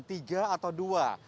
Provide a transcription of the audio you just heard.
tiga atau dua